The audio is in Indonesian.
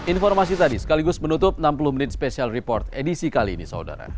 informasi tadi sekaligus menutup enam puluh menit special report edisi kali ini saudara